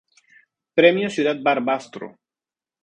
Premio Ciudad Barbastro